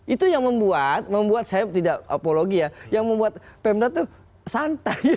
itu yang membuat membuat saya tidak apologi ya yang membuat pembro itu santai gitu